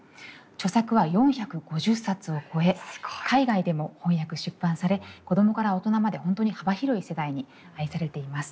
著作は４５０冊を超え海外でも翻訳出版され子供から大人まで本当に幅広い世代に愛されています。